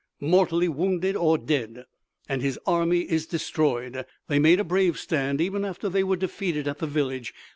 "Mortally wounded or dead, and his army is destroyed! They made a brave stand, even after they were defeated at the village.